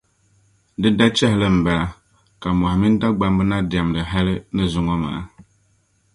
Di dachɛhili mbala ka Mohi mini Dagbamba na diɛmdi hali ni zuŋɔ maa.